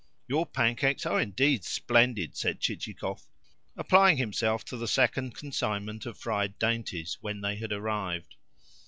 "Your pancakes are indeed splendid," said Chichikov, applying himself to the second consignment of fried dainties when they had arrived.